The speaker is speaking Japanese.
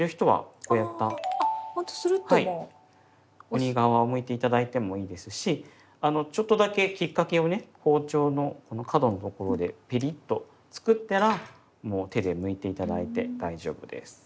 鬼皮をむいて頂いてもいいですしちょっとだけきっかけをね包丁の角のところでペリッとつくったらもう手でむいて頂いて大丈夫です。